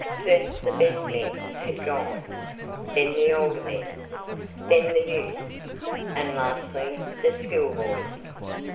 First the best men had gone, then the older men, then the youths, and lastly the school boys.